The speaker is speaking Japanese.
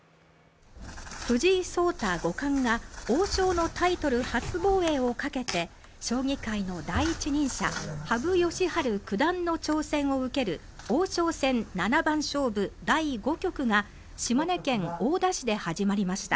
藤井聡太五冠が王将のタイトル初防衛をかけて将棋界の第一人者羽生善治九段の挑戦を受ける王将戦七番勝負第５局が島根県大田市で始まりました。